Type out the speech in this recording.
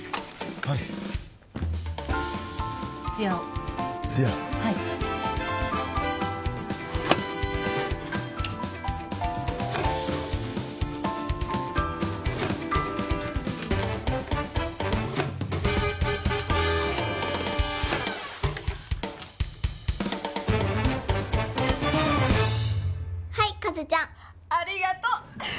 はいはい和ちゃんありがとう